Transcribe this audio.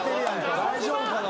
大丈夫かな？